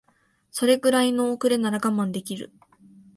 それぐらいの遅れなら我慢できる